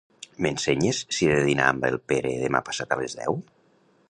M'ensenyes si he de dinar amb el Pere demà passat a les deu?